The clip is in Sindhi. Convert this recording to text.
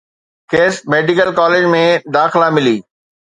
کيس ميڊيڪل ڪاليج ۾ داخلا ملي